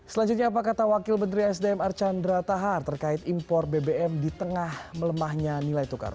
selanjutnya apa kata wakil menteri sdm archandra tahar terkait impor bbm di tengah melemahnya nilai tukar